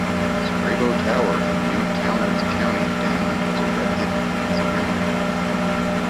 Scrabo Tower in Newtownards, County Down was erected in his memory.